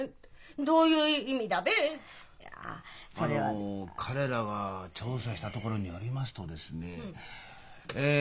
あの彼らが調査したところによりますとですねええ